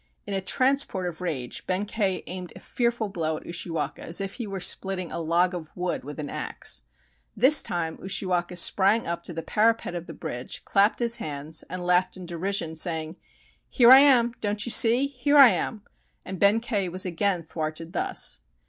In a transport of rage Benkei aimed a fearful blow at Ushiwaka, as if he were splitting a log of wood with an axe. This time Ushiwaka sprang up to the parapet of the bridge, clapped his hands, and laughed in derision, saying: — "Here I am! Don't you see? Here I am!" And Benkei was again thwarted thus.